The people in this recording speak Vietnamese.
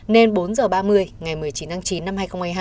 nên bốn h ba mươi ngày một mươi chín tháng chín năm hai nghìn hai mươi hai